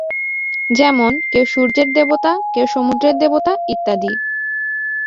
যেমন, কেউ সূর্যের দেবতা, কেউ সমুদ্রের দেবতা ইত্যাদি।